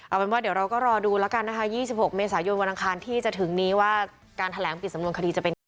เอาเป็นว่าเดี๋ยวเราก็รอดูแล้วกันนะคะ๒๖เมษายนวันอังคารที่จะถึงนี้ว่าการแถลงปิดสำนวนคดีจะเป็นยังไง